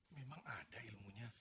memang ada ilmunya